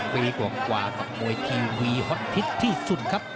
ปีกว่ากับมวยทีวีฮอตฮิตที่สุดครับ